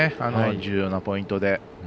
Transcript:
重要なポイントで。